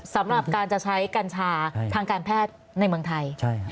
สำหรับการจะใช้กัญชาทางการแพทย์ในเมืองไทย